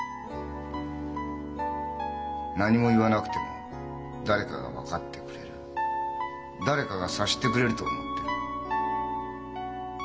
何も言わなくても誰かが分かってくれる誰かが察してくれると思ってる。